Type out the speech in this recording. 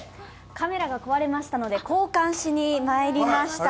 カメラが壊れましたので交換しにまいりました。